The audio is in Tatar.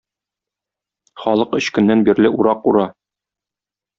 Халык өч көннән бирле урак ура.